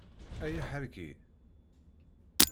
Ay aḥerki!